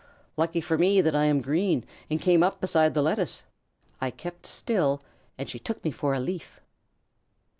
Lucky for me that I am green and came up beside the lettuce. I kept still and she took me for a leaf."